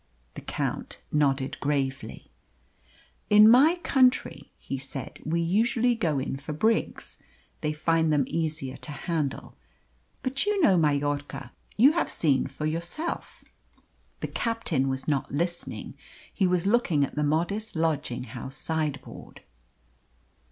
The Count nodded gravely. "In my country," he said, "we usually go in for brigs; they find them easier to handle. But you know Mallorca you have seen for yourself." The captain was not listening; he was looking at the modest lodging house sideboard.